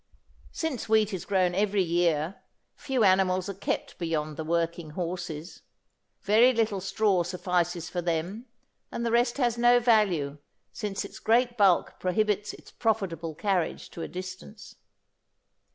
Since wheat is grown every year, few animals are kept beyond the working horses. Very little straw suffices for them and the rest has no value since its great bulk prohibits its profitable carriage to a distance.